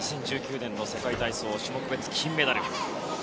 ２０１９年の世界体操種目別金メダル。